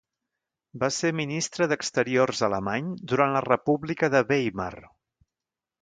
Va ser ministre d'exteriors alemany durant la República de Weimar.